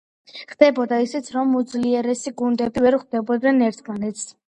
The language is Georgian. ხდებოდა ისეც, რომ უძლიერესი გუნდები ვერ ხვდებოდნენ ერთმანეთს.